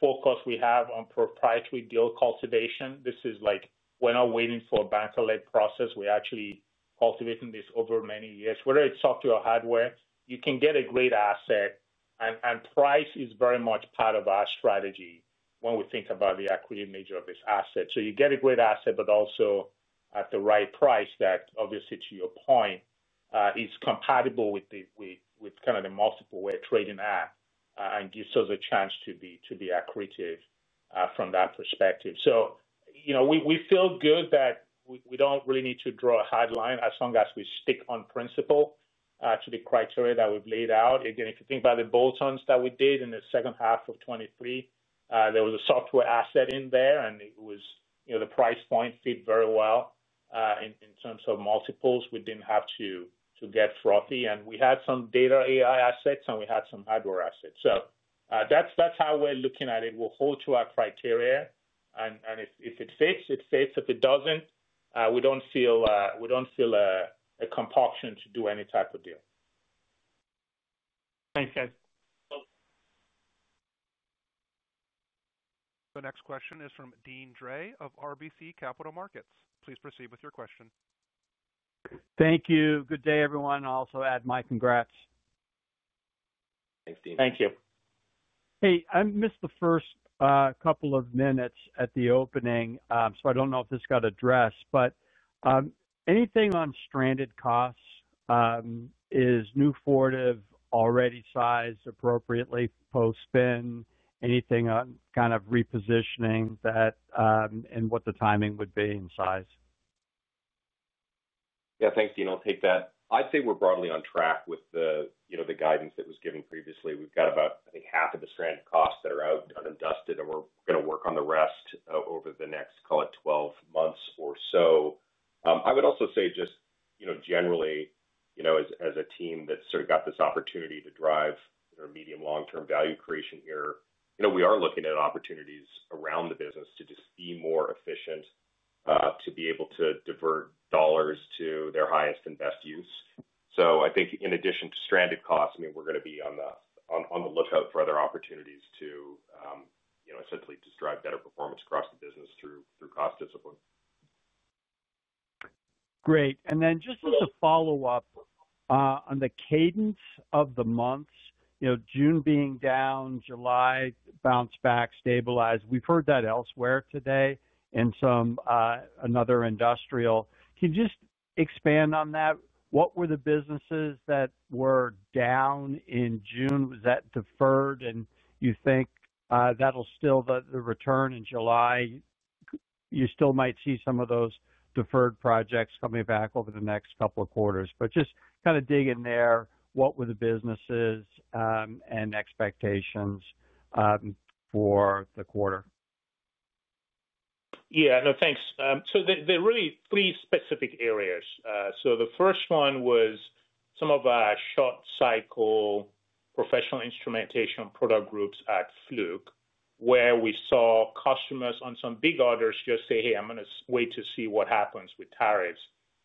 focus we have on proprietary deal cultivation. This is like we're not waiting for a banker-led process. We actually cultivate in this over many years. Whether it's software or hardware, you can get a great asset and price is very much part of our strategy when we think about the accretive nature of this asset. You get a great asset but also at the right price. That obviously, to your point, is compatible with kind of the multiple we're trading at and gives us a chance to be accretive from that perspective. You know, we feel good that we don't really need to draw a hard line as long as we stick on principle to the criteria that we've laid out. Again, if you think about the bolt-ons that we d id in second half of 2023, there was a software asset in there and it was, you know, the price point fit very well in terms of multiples. We didn't have to get frothy and we had some data AI assets and we had some hardware assets. That's how we're looking at it. We'll hold to our criteria and if it fits, it fits. If it doesn't, we don't feel a compulsion to do any type of deal. Thanks guys. The next question is from Deane Dray of RBC Capital Markets. Please proceed with your question. Thank you. Good day everyone. I'll also add my congrats. Thanks Deane. Thank you. Hey, I missed the first couple of minutes at the opening so I don't know if this got addressed but anything on stranded costs, is new Fortive already sized appropriately post spin? Anything on kind of repositioning that and what the timing would be and size? Yeah, thanks Dean. I'll take that. I'd say we're broadly on track with the, you know, the guidance that was given previously. We've got about, I think, half of the stranded costs that are out and dusted and we're going to work on the rest over the next, call it, 12 months or so. I would also say just, you know, generally, you know, as a team that sort of got this opportunity to drive medium long term value creation here, you know, we are looking at opportunities around the business to just be more efficient, to be able to divert dollars to their highest and best use. I think in addition to stranded costs, I mean, we're going to be on the lookout for other opportunities to essentially just drive better performance across the business through cost discipline. Great. Just as a follow up. On the cadence of the months, June being down, July bounce back, stabilize. We've heard that elsewhere today and some another industrial. Can you just expand on that? What were the businesses that were down in June, was that deferred and you think that'll still the return in July? You still might see some of those deferred projects coming back over the next couple of quarters but just kind of dig in there. What were the businesses and expectations for the quarter? Yeah, no thanks. So there are really three specific areas. The first one was some of our short cycle professional instrumentation product groups at Fluke where we saw customers on some big orders just say hey, I'm going to wait to see what happens with task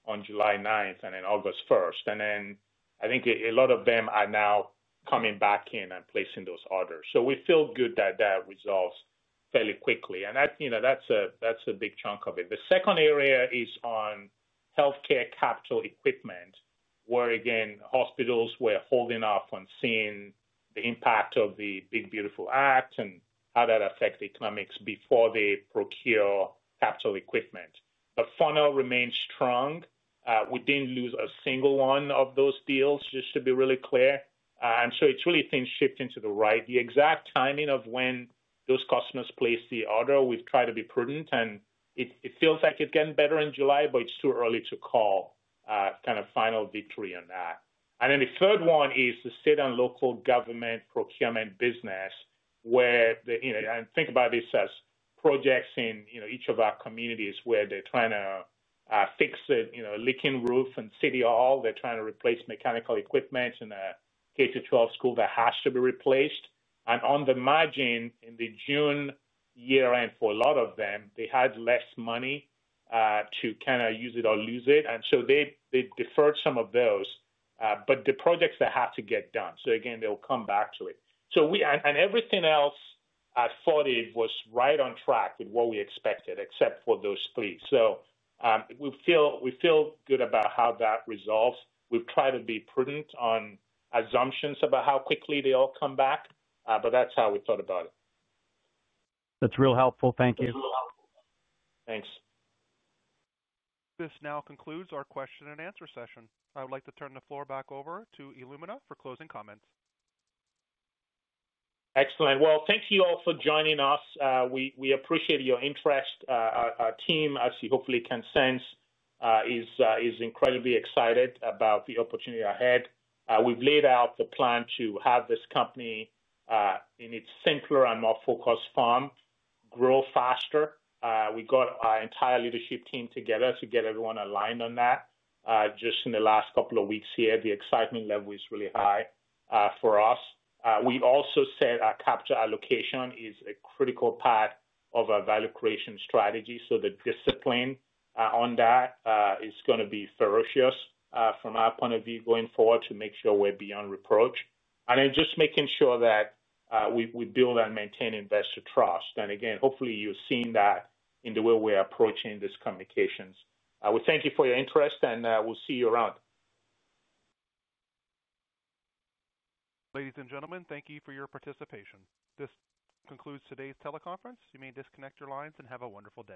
on July 9th and then August 1st and then I think a lot of them are now coming back in and placing those orders. We feel good that that resolves fairly quickly and that's a big chunk of it. The second area is on health care capital equipment where again hospitals were holding up on seeing the impact of the big beautiful act and how that affect economics before they procure capital equipment. Funnel remains strong. We didn't lose a single one of those deals just to be really clear. It's really things shifting to the right, the exact timing of when those customers place the order. We've tried to be prudent and it feels like it's getting better in July, but it's too early to call kind of final victory on that. The third one is the state and local government procurement business where think about this as projects in each of our communities where they're trying to fix leaking roof in city hall, they're trying to replace mechanical equipment in a K12 school that has to be replaced. On the margin in the June year end for a lot of them, they had less money to kind of use it or lose it. They deferred some of those. The projects that have to get done, they'll come back to it. Everything else at Fortive was right on track with what we expected except for those three. We feel good about how that resolves. We've tried to be prudent on assumptions about how quickly they all come back, but that's how we thought about it. That's real helpful. Thank you. Thanks. This now concludes our question and answer session. I would like to turn the floor back over to Fortive for closing comments. Excellent. Thank you all for joining us. We appreciate your interest. Our team, as you hopefully can sense, is incredibly excited about the opportunity ahead. We have laid out the plan to have this company in its simpler and more focused form, grow faster. We got our entire leadership team together to get everyone aligned on that just in the last couple of weeks here. The excitement level is really high for us. We also said our capital allocation is a critical part of our value creation strategy. The discipline on that is going to be ferocious from our point of view going forward to make sure we are beyond reproach and just making sure that we build and maintain investor trust. Again, hopefully you have seen that in the way we are approaching these communications. We thank you for your interest and we will see you around. Ladies and gentlemen, thank you for your participation. This concludes today's teleconference. You may disconnect your lines and have a wonderful day.